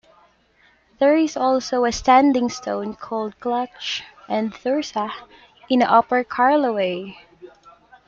There is also a standing stone called "Clach an Tursa" in Upper Carloway.